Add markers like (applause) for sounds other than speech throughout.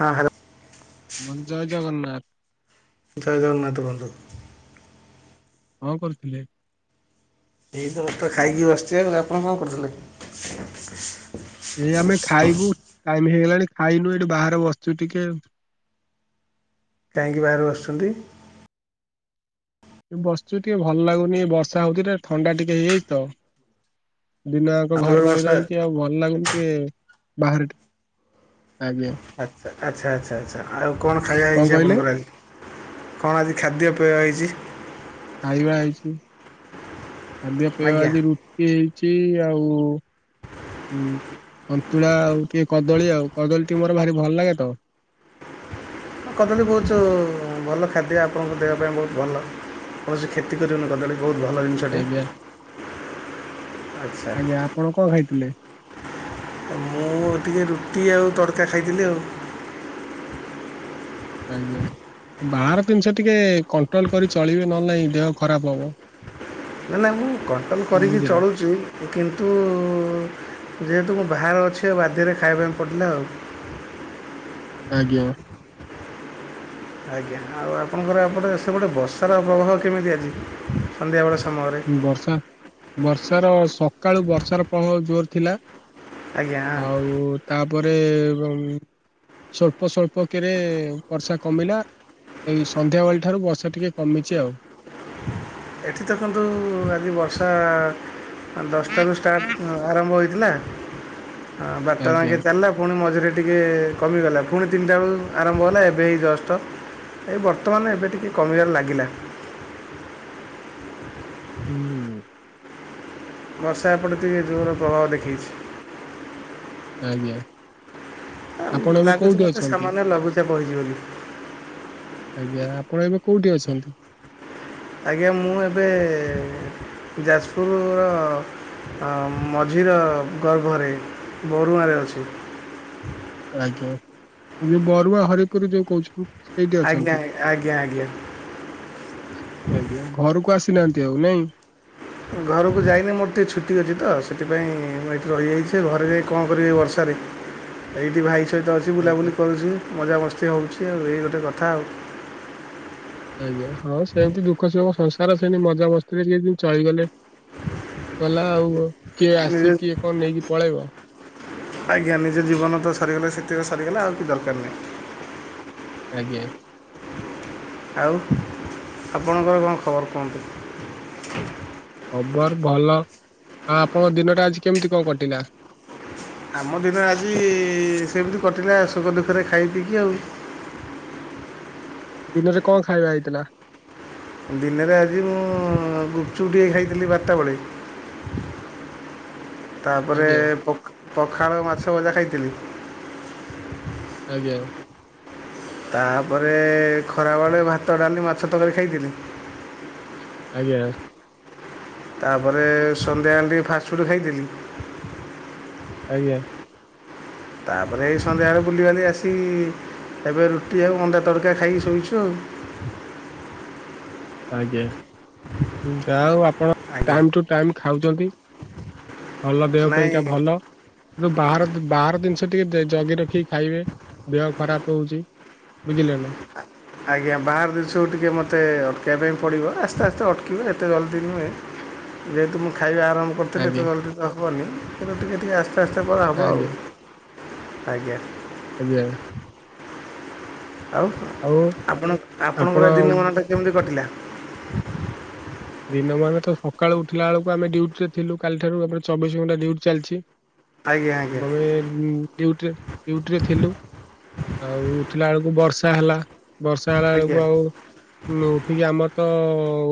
ହଁ ହ୍ୟାଲୋ ମଁ ଜୟ ଜଗନ୍ନାଥ ଜୟ ଜଗନ୍ନାଥ ବନ୍ଧୁ କଣ କରୁଥିଲେ? ଏଇ ତ ଖାଇକି ଆଇକୀ ବସିଛି, ଆପଣ କଣ କରୁଥିଲେ? ଏଇ ଆମେ ଖାଇବୁ ଟାଇମ ହେଇଗଲାଣି ଖାଇନୁ ଏଇଠି ବାହାରେ ବସିଛୁ ଟିକେ କାହିଁକି ବାହାରେ ବସୁଛନ୍ତି ବସୁଚୁ ଟିକେ ଭଲ ଲାଗୁନି ବର୍ଷା ହଉଛି ଟ ଥଣ୍ଡା ଟିକେ ହେଇଯାଇଛି ତ ଦିନ ଆକ ଘରେ ଜୋର ରହି ବର୍ଷା ରହିକି ଆଉ ଭଲ ଲାଗନି ଟିକେ ବାହାର ଆଜ୍ଞା ଆଚ୍ଛା ଆଚ୍ଛା ଆଚ୍ଛା ଆଚ୍ଛା ଆଉ କଣ ଖାଇବା ହେଇଛି ଆପଣଙ୍କର ଆଜି କଣ ଆଜି ଖାଦ୍ୟ ପେୟ ହେଇଛି ଖାଇବା ହେଇଛି ଖାଦ୍ୟ ପେୟ ଆଜ୍ଞା ଆଜି ରୁଟି ହେଇଛି ଆଉ ହୁଁ ସନ୍ତୁଳା ଆଉ ଟିକେ କଦଳୀ ଆଉ କଦଳୀ ଟିକେ ମୋର ଭାରି ଭଲ ଲାଗେ ତ କଦଳୀ ବହୁତ ଭଲ ଖାଦ୍ୟ ଆପଣଙ୍କୁ ଦେହ ପାଇଁ ବହୁତ ଭଲ କୌଣସି କ୍ଷତି କରିବ ନି ବହୁତ ଭଲ ଜିନିଷ ଆଜ୍ଞା ଆଚ୍ଛା ଆଜ୍ଞା ଆପଣ କଣ ଖାଇଥିଲେ? ମୁଁ ଟିକେ ରୁଟି ଆଉ ତଡକା ଖାଇଥିଲି ଆଉ ଆଜ୍ଞା ବାହାର ଜିନିଷ ଟିକେ କଣ୍ଟ୍ରୋଲ କରି ଚଳିବେ ନହେଲେ ନାଇଁ ଦେହ ଖରାପ ହବ ନା ନା ମୁଁ କଣ୍ଟ୍ରୋଲ କରିକି ବୁଝିଲ। ଚଳୁଛି କିନ୍ତୁ ଯେହେତୁ ମୁଁ ବାହାରେ ଅଛି ଆଉ ବାଧ୍ୟରେ ଖାଇବା ପାଇଁ ପଡ଼ିଲା ଆଉ ଆଜ୍ଞା ଆଜ୍ଞା ଆଉ ଆପଣଙ୍କର ଏପଟେ ସେପଟେ ବର୍ଷାର ପ୍ରବାହ କେମିତି ଆଜି ସନ୍ଧ୍ୟାବେଳ ସମୟରେ ବର୍ଷା ବର୍ଷାର ସକାଳୁ ବର୍ଷାର ପ୍ରଭାବ ଜୋର ଥିଲା ଆଜ୍ଞା ଆଉ ତାପରେ ସଵଳ୍ପ ସଵଳ୍ପ କିରେ ବର୍ଷା କମିଲା ଏଇ ସନ୍ଧ୍ୟାବେଳ ଠାରୁ ବର୍ଷା ଟିକେ କମିଛି ଆଉ ଏଠି ଦେଖନ୍ତୁ ଆଜି ବର୍ଷା ଦଶଟାରୁୁ ଷ୍ଟାର୍ଟ ଆରମ୍ଭ ହେଇଥିଲା ବାରଟା ଆଜ୍ଞା ଲେ ଚାଲିଲା ପୁଣି ମଝିରେ ଟିକିଏ କମିଗଲା ପୁଣି ତିନିଟା ବେଳୁ ଆରମ୍ଭ ହେଲା ଏବେ ହେଇ ଜଷ୍ଟ ଏଇ ବର୍ତ୍ତମାନ ଏବେ ଟିକେ କମିବାରେ ଲାଗିଲା ହୁଁ। ବର୍ଷା ଏପଟେ ଟିକେ ଜରର ପ୍ରଭାବ ଦେଖାଇଛି। ଆଜ୍ଞା। ଆପଣ ଏବେ ଲାଗୁଛି କୋଉଠି ମତେ ଅଛନ୍ତି? ସାମାନ୍ୟ ଲଘୁଚାପ ହେଇଛି ବୋଲି। ଆଜ୍ଞା ଆପଣ ଏବେ କୋଉଠି ଅଛନ୍ତି? ଆଜ୍ଞା ମୁଁ ଏବେ ଯାଜପୁରର ମଝିର ଗର୍ଭରେ ବରୁଆଁରେ ଅଛି। ଆଜ୍ଞା ଯୋଉ ବରୁଆ ହରିପୁର ଯୋଉ (unintelligible) ସେଇଠି ଆଜ୍ଞା ଅଛନ୍ତି। ଆଜ୍ଞା ଆଜ୍ଞା ଆଜ୍ଞା ଘରକୁ ଆସିନାହାନ୍ତି ଆଉ ନାଇଁ? ଘରୁକୁ ଯାଇନି ମୋର ଟିକେ ଛୁଟି ଅଛି ତ ସେଥିପାଇଁ ମୁଁ ଏଠି ରହିଯାଇଚି ଘରେ ଯାଇଁ କଣ କରିବି ବର୍ଷା ରେ। ଏଇଠି ଭାଇ ସହିତ ଅଛି ଆଜ୍ଞା ବୁଲାବୁଲି କରୁଛି ମଜାମସ୍ତି ହଉଚି ଆଉ ଏଇ ଗୋଟେ କଥା ଆଉ। ଆଜ୍ଞା ହଁ ସେମିତି ଦୁଃଖ ସୁଖ ସଂସାର ସେମିତି ମଜାମସ୍ତିରେ କି ଦିନ ଚଳିଗଲେ ଗଲା ଆଉ କିଏ (unintelligible) ନିଜେ କିଏ କଣ ନେଇକି ପଳେଇଵ। ଆଜ୍ଞା ନିଜ ଜୀବନ ତ ସରିଗଲା ସେଥିକ ସାରଗଲା ଆଉ କିଛି ଦରକାର ନାହିଁ। ଆଜ୍ଞା। ଆଉ ଆପଣଙ୍କର କଣ ଖବର କୁହନ୍ତୁ? ଖବର ଭଲ, ଆ ଆପଣଙ୍କ ଦିନଟା ଆଜି କେମିତି କଣ କଟିଲା? ଆମ ଦିନ ଆଜି ସେମିତି କଟିଲା ଶଖ ଦୁଃଖରେ ଖାଇ ପିଇକି ଆଉ। ଦିନରେ କଣ ଖାଇବା ହେଇଥିଲା? ଦିନରେ ଆଜି ମୁଁ ଗୁପଚୁପ୍ ଟିକେ ଖାଇଥିଲି ବାରଟା ବେଳେ ତାପରେ ଆଜ୍ଞା (unintelligible) ପଖାଳ ମାଛ ଭଜା ଖାଇଥିଲି ଆଜ୍ଞା। ତାପରେ ଖରାବେଳେ ଭାତ, ଡାଲି, ମାଛ, ତରକାରୀ ଖାଇଥିଲି। ଆଜ୍ଞା। ତାପରେ ସନ୍ଧ୍ୟା ବେଳେ ଟିକେ (unintelligible) ଫାଷ୍ଟଫୁଡ଼୍ ଖାଇଦେଲି। ଆଜ୍ଞା। ତାପରେ ସନ୍ଧ୍ୟାବେଳେ ବୁଲିବାଲି ଆସି ଏବେ ରୁଟି ଆଉ ଅଣ୍ଡା ତଡ଼କା ଖାଇକି ଶୋଇଛୁ ଆଉ। ଆଜ୍ଞା ଯାହା ହଉ ଆପଣ ଆଜ୍ଞା ଟାଇମ୍ ଟୁ ଟାଇମ୍ ଖାଉଚନ୍ତି। ଭଲ ଦେହ ନାଇଁ ପାଇଁକା ଭଲ। କିନ୍ତୁ ବାହାର-ବାହାର ଜିନିଷ ଟିକେ ଜଗି ରଖିକି ଖାଇବେ ଦେହ ଖରାପ ହଉଚି। ବୁଝିଲ ନା। (unintelligible) ଆଜ୍ଞା ବାହାର ଦେଶ କୁ ଟିକିେ ମୋତେ ଅଟକାଇବା ପାଇଁ ପଡ଼ିବ ଆସ୍ତେ-ଆସ୍ତେ ଅଟକିବ ଏତେ ଜଲ୍ଦି ନୁହେଁ ଯେହେତୁ ମୁଁ ଖାଇବା ଆରମ୍ଭ କରୁଥିଲେ ଆଜ୍ଞା ଏତେ ଜଲ୍ଦି ତ ହବନି କିନ୍ତୁ ଟିକେ-ଟିକିେ ଆସ୍ତେ-ଆସ୍ତେ କରାହବ ଆଜ୍ଞା ଆଉ, ଆଜ୍ଞା। ଆଜ୍ଞା। ଆଉ ଆପଣ ଆପଣ ଆପଣଙ୍କର ଦିନ ମନାଟା କେମିତି କଟିଲା? ଦିନ ମାନ ତ ସକାଳୁ ଉଠିଲା ବେଳକୁ ଆମେ ଡ୍ୟୁଟିରେ ଥିଲୁ କାଲି ଠାରୁ ଆମର ଚବିଶି ଘଣ୍ଟା ଡ୍ୟୁଟି ଚାଲିଚି। ଆଜ୍ଞା ଆଜ୍ଞା (unintelligible) ଡ୍ୟୁଟି ଡ୍ୟୁଟିରେ ଥିଲୁ ଆଉ ଉଠିଲା ବେଳକୁ ବର୍ଷା ହେଲା। ବର୍ଷା ହେଲା ଆଜ୍ଞା ବେଳକୁ ଆଉ ଉଠିକି ଆମର ତ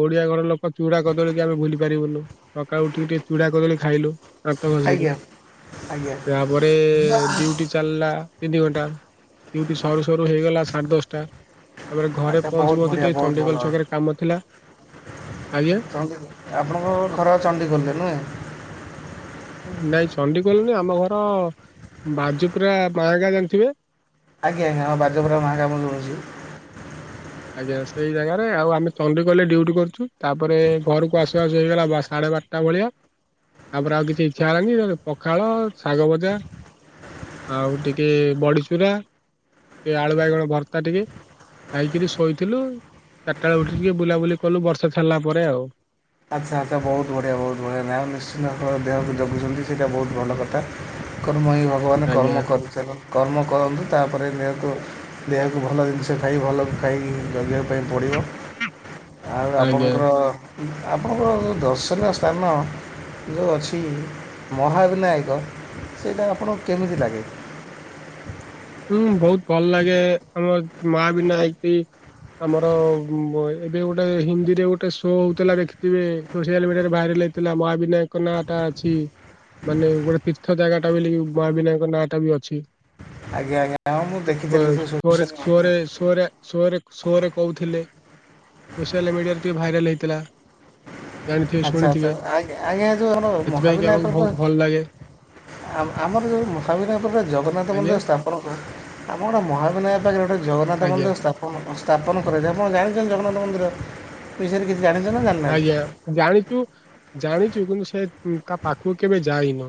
ଓଡିଆ ଘର ଲୋ ଚୁଡାକଦଳୀ କି ଆମେ ଭୁଲି ପାରିବୁନୁ। ସକାଳୁ ଉଠିକି ଟିକେ ଚୁଡା କଦଳୀ ଖାଇଲୁ ଦାନ୍ତ ଆଜ୍ଞା ଘଷିକି। ଆଜ୍ଞା ତାପରେ ଡ୍ୟୁଟି ଚାଲିଲା ତିନି ଘଣ୍ଟା। ଡ୍ୟୁଟି ସରୁ-ସରୁ ହେଇଗଲା ସାଢେ ଦଶଟା ତାପରେ ଘରେ ଆଚ୍ଛା ବହୁତ ପହଞ୍ଚୁ-ପହଞ୍ଚୁ ବଢ଼ିଆ ଟିକେ ବହୁତ ଭଲ। ଚଣ୍ଡୀଖୋଲ୍ ଛକରେ କାମ ଥିଲା (unintelligible) (unintelligible) ଆପଣଙ୍କ ଘର (unintelligible) ନୁହେଁ? ନାଇଁ ଚଣ୍ଡିଖୋଲ୍ ନୁହେଁ ଆମ ଘର ବାଜୁପୁରା ମାହ ଗାଁ ଜାଣିଥିବେ? ଆଜ୍ଞା ଆଜ୍ଞା ଆମ ବାଜ ବରାଳ ମହା କାମ ରହୁଛି। ଆଜ୍ଞା ସେଇ ଜାଗାରେ ଆଉ ଆମେ ଚଣ୍ଡୀଖୋଲ୍ ରେ ଡ୍ୟୁଟି କରୁଛୁ ତାପରେ ଘରକୁ ଆସିବା ଆସ ହେଇଗଲା ବା ସାଢ଼େ ବାରଟା ଟା ଭଳିଆ ତାପରେ ଆଉ କିଛି ଇଚ୍ଛା ହେଲାଣି ପଖାଳ ଶାଗ ବଜା ଆଉ ଟିକେ ବଡିଚୁରା ସେ ଆଳୁ ବାଇଗଣ ଭର୍ତା ଟିକେ ଖାଇକିରି ଶୋ କହିଥିଲୁ ଚାରିଟା ବେଳେ ଉଠି ଟିକେ ବୁଲାବୁଲି କଲୁ ବର୍ଷା ସାରିଲା ପରେ ଆଉ ଆଚ୍ଛା ଆଚ୍ଛା ବହୁତ ବଢ଼ିଆ ବହୁତ ବଢ଼ିଆ ନାଁ ଆଉ ନିଶ୍ଚିନ୍ତ ଆପଣ ଦେହକୁ ଜଗୁଛନ୍ତି ସେଇଟା ବହୁତ ଭଲ କଥା କର୍ମ ହି ଭଗବାନ ଆଜ୍ଞା କର୍ମ କରିଚାଲ କର୍ମ କରନ୍ତୁ ତାପରେ ନିହତ ଦେହକୁ ଭଲ ଜିନିଷ ଖାଇ ଭଲ ଖାଇକି ଜଗେଇିବା ପାଇଁ ପଡ଼ିବ ଆଉ ଆଜ୍ଞା ଆପଣଙ୍କର ଆପଣଙ୍କରଉ ଦର୍ଶନୀୟ ସ୍ଥାନ ଯେଉଁ ଅଛି ମହାବିନାୟକ ସେଇଟା ଆପଣଙ୍କୁ କେମିତି ଲାଗେ? ହୁଁ ବହୁତ ଭଲ ଲାଗେ ଆମ ମହାବିନାଇକି ଆମର ଏବେ ଗୋଟେ ହିନ୍ଦୀରେ ଗୋଟେ ଶୋ ହଉଥିଲା ଦେଖିଥିବେ ସୋସିଆଲ ମିଡିଆରେ ଭାଇରାଲ ହେଇଥିଲା ମହାବିନାୟକଙ୍କ ନାଁଟା ଅଛି ମାନେ ଗୋଟେ ତୀର୍ଥ ଜାଗା ଟା ବଲି ମାବୀନାୟକଙ୍କ ନାଁ ଟା ବି ଅଛି ଆଜ୍ଞ ଆଜ୍ ରେ ସରେ ସରେ ସୋରେ ସୋରେ ଶୋରେ କହୁଥିଲେ ସୋସିଆଲ ମିଡିଆରେ ଟିକେ ଭାଇରାଲ୍ ହେଇଥିଲା ଜାଣିଥିବେ ଆଚ୍ଛା ଆଚ୍ଛା ଶୁଣିଥିବେ ଆ୍ ଆଜ୍ଞା ଯଉ ସେଥିପାଇଁ କି ଆମକୁ ମହାବିନୟକପଦ ବହୁତ ଭଲ ଲାଗେ ଆ ଆମର ଯୋଉ ମହାବିନାୟ ପାଖରେ ଜଗନ୍ନାଥ ଆଜ୍ଞା ମନ୍ଦିର ସ୍ଥାପନ କଣ କୁ ଆମ ଗୋଟେ ମହାବିିନୟ ପାଖରେ ଗୋଟେ ଜଗନ୍ନାଥ ଆଜ୍ଞା ମନ୍ଦିର ସ୍ଥାପ ଣ ସ୍ଥାପନ କରା ଯାଏ ଆପଣ ଜାଣିଛନ୍ତି ଜଗନ୍ନାଥ ମନ୍ଦିର ବିଷୟରେ କିଛି ଜାଣିଛନ୍ତି ନା ଜା ଆଜ୍ଞା ଜାଣିଛୁ ଜାଣିଛୁ କିନ୍ତୁ ସେ ତା ପାଖକୁ କେବେ ଯାାଇନ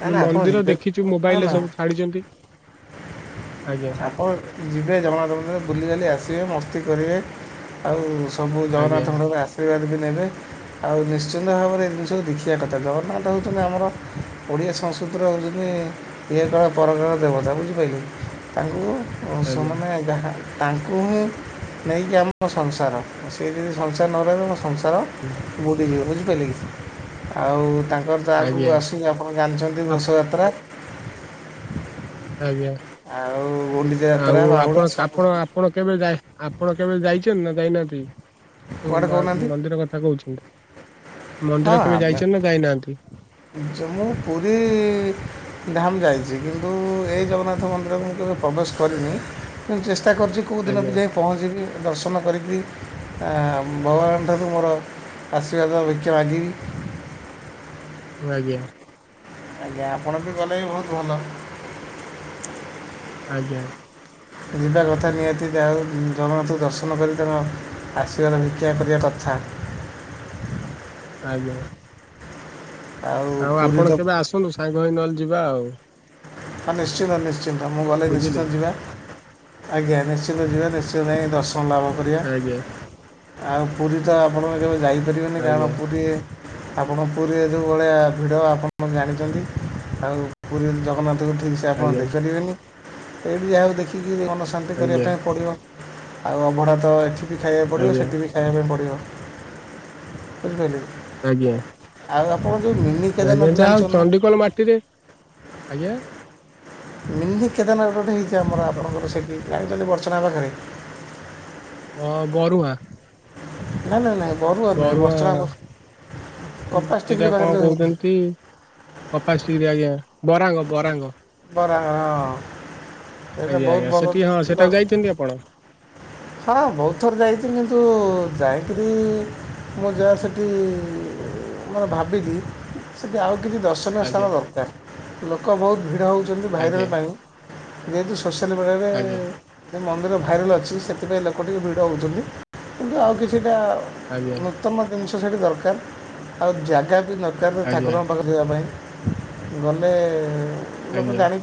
ନା ନା ଆପଣ ମନ୍ଦିର ଯିବେ ଦେଖିଛୁ ନା ମୋବାଇଲରେ ନା ସବୁ ଛାଡିଛନ୍ତି ଆଜ୍ଞା ଆପଣ ଯିବେ ଜଗନ୍ନାଥ ମନ୍ଦିର ବୁଲି ଜାଲି ଆସିବେ ମସ୍ତି କରିବେ ଆଉ ସବୁ ଆଜ୍ଞା ଜଗନ୍ନାଥଙ୍କର ଆସ ଆଶୀର୍ବାଦ ବି ନେବେ ଆଉ ନିଶ୍ଚିନ୍ତ ଭାବରେ ଏ ଜିନିଷକୁ ଦେଖିବା କଥା ଜଗନ୍ନାଥ ହେଉଛନ୍ତି ଆମର ଓଡ଼ିଆ ସଂସ୍କୃତିର ହେଉ ଯେମିତୀ ଇହ କାଳ ପରକାଳ ର ଦେବତା ବୁଝିପାରିଲେ ତାଙ୍କୁ ଆଜ୍ଞା ଓସମମାନ ଯାହା ତାଙ୍କୁ ହିଁ ନେଇକି ଆମ ସଂସାର ସିଏ ଯଦି ସଂସାର ନ ରହିବେ ମୋ ସଂସାର ସେ ବୁଡ଼ିଯିବ ବୁଝିପାରିଲ କି ଆଉ ତାଙ୍କର ତ ଆଜ୍ଞା ଆଗକୁ ଆସିକି ଆପଣ ଜାଣିଛନ୍ତି ଘୋଷ ଯାତ୍ରା ଆଜ୍ଞା ଆଉ ଓଡିଚା ଆଉ ଯାତ୍ରା ଆପଣ ବାହୁଡା ଆପଣ ସବୁ ଆପଣ କେବେ ଯାଇ ଆପଣ କେବେ ଯାଇଛନ୍ତି ନା ଯାଇନାହାନ୍ତି? କୁଆଡ଼େ ମା କହୁନାହାନ୍ତି ମନ୍ଦିର କଥା କହୁଛନ୍ତି ମନ୍ଦିର କେବେ ଯାଇଛ ନା ଯାଇନାହାନ୍ତି? ଜମ୍ମୁ ପୁରୀ ଧାମ୍ ଯାଇଛି କିନ୍ତୁ ଏଇ ଜଗନ୍ନାଥ ମନ୍ଦିର କୁ ମୁଁ କେବେ ପ୍ରବେଶ କରିନି ମୁ ଚେଷ୍ଟା କରୁଛି କଉଦିନ ଆଜ୍ଞା ପିଲେ ପହଞ୍ଚିକି ଦର୍ଶନ କରିକିରି ଆ - ଭଗବାନ ଠାରୁ ମୋର ଆଶୀର୍ବାଦ ତବାଜିିବି ବ ଆଜ୍ଞା ଆଜ୍ଞା ଆପଣ ବି ଗଲେ ବି ବହୁତ ଭଲ ଆଜ୍ଞା ଯିବା କଥା ନିହାତିଉ ଜଗନ୍ନାଥଙ୍କୁ ଦର୍ଶନ କରି ତାଙ୍କ ଆଶୀର୍ବାଦ ଭିକ୍ଷା କରିବା କଥା ଆଜ୍ଞା ଆଉ ପୁରୀ ଆପଣ ତ କେବେ ଆସନ୍ତୁ ସାଙ୍ଗ ହେଇ ନହଲେ ଯିବା ଆଉ ହଁ ନିଶ୍ଚିନ୍ତ ନିଶ୍ଚିନ୍ତ ମୁଁ ଗଲେ ବୁଝିଲେ ନିଶ୍ଚିନ୍ତ ଯିବା ଆଜ୍ଞା ନିଶ୍ଚନ୍ତ ଯିବା ନିଶ୍ଚନ୍ତ ଯାଇ ଦର୍ଶନ ଲାଭ କରିବା ଆଜ୍ଞା ଆଉ ପୁରୀ ତ ଆପଣ କେବେ ଯାଇପାରିବେନି କାରଣ ଆଜ୍ଞା। ପୁରୀ ଆପଣ ପୁରୀରେ ଯୋଉ ଭଳିଆ ଭିଡ ଆପଣ ଜାଣିଛନ୍ତି ଆଉ ପୁରୀ ଜଗନ୍ନାଥଙ୍କୁ ଠିକସେ ଆପଣ ଆଜ୍ଞା ଦେଇପାରିବେନି ଏଇଠି ଯାହାକୁ ଦେଖିକି ମନ ଶାନ୍ତି କରିବା ଆଜ୍ଞା ପାଇଁ ପଡ଼ିବ ଆଉ ଅଭଢା ତ ଏଠି ବି ଖାଇବାକୁ ପଡିବ ଆଜ୍ଞା ସେଠି ବି ଏବେ ପଢ଼ିବ ବଝି ପରିଲେ କି ଆଜ୍ଞା ଆଉ ଆପଣ ଯୋଉ ଆଜ୍ଞା ଯାହା ଚଣ୍ଡିକୋଲ ମାଟିରେ ଆଜ୍ଞା ମିନ କେଦରନାଥ ହେଇଛି ଆମର ଆପଣଙ୍କର ସେଠି ଲାଗୁଛନ୍ତି ବର୍ଚ୍ଚନା ପାଖରେ ହଁ ବରୁଆଁ ନାଇଁ ନାଇଁ ନାଇଁ ବରୁଆାର ନାଇଁ ବର୍ଷନା ସେଟା କଣ ହେଇଛି କହୁଛନ୍ତି ପପାଶ ଡିଗ୍ରୀ ଆଜ୍ଞା ବରାଙ୍ଗ ବରାଙ୍ଗ ବରା ହଁ ସେଇଟା ଆଜ୍ଞା ବହୁତ ଆଜ୍ଞା ସେଠି ହଁ ଭଲ ସେଠାକୁ ଯାଇଛନ୍ତି ଆପଣ ହଁ ବହୁତ ଥର ଯାଇଛି କିନ୍ତୁ ଯାଇକରି ମୁଁ ଯାହା ସେଠି ମାନେ ଭାବଛିି ସେଠି ଆଉ କିଛି ଦଶ ଆଜ୍ଞା ସ୍ଥାନ ଦରକାର ଲୋକ ବହୁତ ଭିଡ ହେଉଛନ୍ତି ଭାଇରାଲ ଆଜ୍ଞା ପାଇଁ ସୋସିଆଲ୍ ମିଡ଼ିଆରେ ଆଜ୍ଞା ସେ ମନ୍ଦିର ଭାଇରାଲ୍ ଅଛି ଅଛି ସେଥିପାଇଁ ଲୋକ ଟିକେ ଭିଡ଼ ହେଉଛନ୍ତି କିନ୍ତୁ ଆଉ କିଛିଟା ଆଜ୍ଞା ଉତ୍ତମ ଜିନିଷ ସେଠି ଦରକାର ଆଉ ଜାଗା ବି ଦରକାର ଆଜ୍ଞା ଠାକୁରଙ୍କ ପାଖରେ ଯିବା ପାଇଁ ଗଲେ ଲୋକ ଆଜ୍ଞା ଜାଣି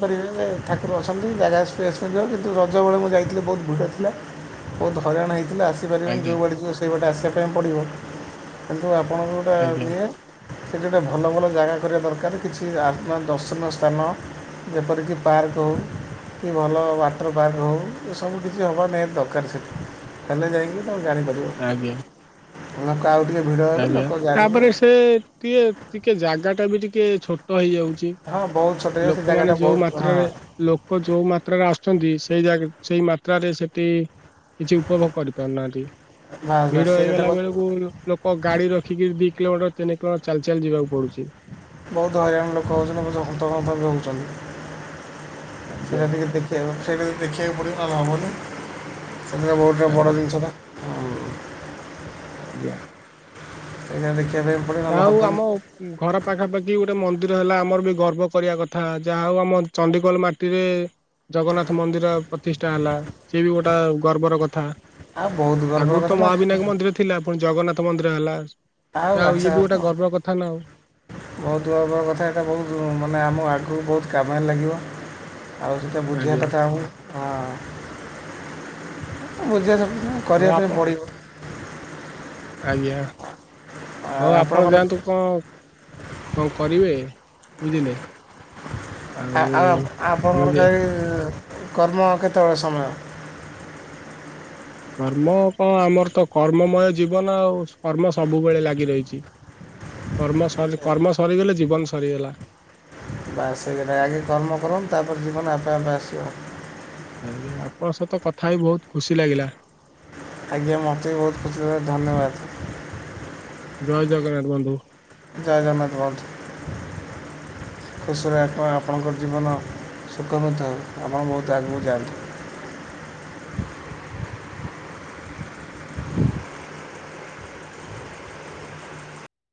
ଠାକୁର ଅଛନ୍ତି ଜାଗା ସ୍ପେସ୍ଯିବ କିନ୍ତୁ ରଜ ବେଳେ ମୁଁ ଯାଇଥିଲି ବହୁତ ଭିଡ଼ ଥିଲା ଥିଲା ବହୁତ ହଇରାଣ ହେଇଥିଲା ଆସିପାରିବନି ଆଜ୍ଞା ଯୋଉ ବାଟେ ସେଇପଟେ ଆସିବା ପାଇଁ ପଡ଼ିବ କିନ୍ତୁ ଆପଣ ଯେଉଁଟା ଆଜ୍ଞା ଆଜ୍ଞା ଇଏ ସେଇଠି ଗୋଟେ ଭଲ ଭଲ ଜାଗା କରିବା ଦରକାର କିଛି ଆ ଦର୍ଶନୀୟ ସ୍ଥାନ ଯେପରିକି ପାର୍କ ହଉ କି ଭଲ ୱାଟର ପାର୍କ ହଉ ଏ ସବୁ କିଛି ହେବା ନାଇ ଦରକାର ସେଠି ହେଲେ ଯାଇକି ତମେ ଜାଣିପାରିବ ଆଜ୍ଞା ଆ ଲୋକେ ଆଉ ଟିକେ ଭିଡ ଆଜ୍ଞା ତାପରେ ସେ ଟିକେ ଟିକେ ଜାଗା ଟା ବି ଟିକେ ଛୋଟ ହେଇଯାଉଛି ହଁ ବହୁତ ଛୋଟାଗ ସେ ଲୋକମାନେ ଜାଗାଟା ଯୋଉ ବହୁତ ମାତ୍ରାରେ ହଁ ଲୋକ ଯୋଉ ମାତ୍ରାରେ ଆସୁଛନ୍ତି ସେଇ ସେଇ ମାତ୍ରାରେ ସେଠି କିଛି ଉପଭୋଗ କରିପାରୁନାହାନ୍ତି ବାସ୍ ବାସ୍ ଭିଡ ସେଇ କଥା ହେଇଗଲା କହୁଛି ବେଳକୁ ଲୋକ ଗାଡି ରଖିକି ଦି କିଲୋମିଟର ତିନ କିଲୋମିଟର ଚାଲି ଚାଲି ଯିବାକୁ ପଡୁଛି ବହୁତ ହଇରାଣ ଲୋକ ହଉଛନ୍ତି ବହୁ ହନ୍ତତା ବି ହଉଛନ୍ତି ଆଜ୍ଞା ସେଟା ଟିକେ ସେ ସେଇଟା ଦେଖିବାକୁ ପଡ଼ିବ ଆେଲେ ହେବନି ସେମ ବହୁତ ବଡ଼ ଆଜ୍ଞା ଜିନିଷଟା ଆଜ୍ଞା ଏଇା ଦେଖିବା ପଡ଼ିବ ଯ ନହେଲେ ହଉ ହେବନି ଆମ ଘର ପାଖାପାଖି ଗୋଟେ ମନ୍ଦିର ହେଲା, ଆମର ବି ଗର୍ବ କରିବା କଥା, ଯାହା ହଉ, ଆମ ଚଣ୍ଡିଖୋଲ ମାଟିରେ ଜଗନ୍ନାଥ ମନ୍ଦିର ପ୍ରତିଷ୍ଠା ହେଲା, ସେ ବି ଗୋଟା ଗର୍ବର କଥା। ଆଉ ବହୁତ ଗର୍ବର ଆଗରୁ କଥା ତ ନା ମହାବିନାୟକ ମନ୍ଦିର ଥିଲା, ପୁଣି ଜଗନ୍ନାଥ ମନ୍ଦିର ହେଲା ଆ ଆଉ ଆଚ୍ଛା ଆପ ବହୁତ ଗର୍ବର କଥା, ଏଟା ବହୁତ ମାନେ ଆମ ଆଗକୁ ବହୁତ କାମରେ ଲାଗିବ। ଆଉ ସେଟା ବୁଝିବା ଆଜ୍ଞା କଥା ଆଉ, ହଁ, ବୁଝିବା କଥା ନା ହଉ କରିବା ପାଇଁ ଆପଣ ପଡ଼ିବ। ଆଜ୍ଞା, ଆଉ ହଁ ଆପଣ ଆପଣଙ୍କର ଯାଆନ୍ତୁ କଣ କଣ କରିବେ, ବୁଝିଲେ? ଆ ଆଉ ଆମେ ଆପଣଙ୍କର ଯେ କାହି କର୍ମ କେତେବେଳେ ସମୟ? କର୍ମ କଣ, ଆମର ତ କର୍ମମୟ ଜୀବନ, ଆଉ କର୍ମ ସବୁବେଳେ ଲାଗି ରହିଛି। କର୍ମ ସରି, କର୍ମ ସରିଗଲେ ଜୀବନ ସରିଗଲା। ବାସ ସେଇ କଥା, ଆଗେ କର୍ମ କରନ୍ତୁ, ତାପରେ ଜୀବନ ଆପେ ଆପେ ଆସିବ। ଆଜ୍ଞା, ଆପଣଙ୍କ ସହିତ କଥା ହଇ ବହୁତ ଖୁସି ଲାଗିଲା। ଆଜ୍ଞା, ମୋତେ ବି ବହୁତ ଖୁସିରେ, ଧନ୍ୟବାଦ। ଜୟ ଜଗନ୍ନାଥ, ବନ୍ଧୁ। ଜୟ ଜଗନ୍ନାଥ, ବନ୍ଧୁ। ଖୁସିରେ, ଆପଣ ଆପଣଙ୍କର ଜୀବନ ସୁଖ ନଥାଉ, ଆପଣ ବହୁତ ଆଗକୁ ଯାଆନ୍ତୁ। (unintelligible)